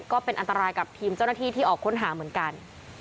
ก็เป็นอันตรายกับทีมเจ้าหน้าที่ที่ออกค้นหาเหมือนกัน